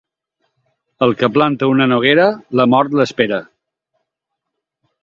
El que planta una noguera, la mort l'espera.